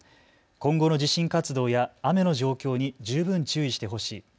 今後の地震活動や雨の状況に十分注意してほしい。